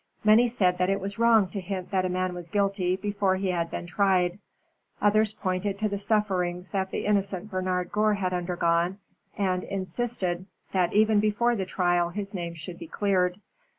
Many said that it was wrong to hint that a man was guilty before he had been tried. Others pointed to the sufferings that the innocent Bernard Gore had undergone, and insisted that even before the trial his name should be cleared.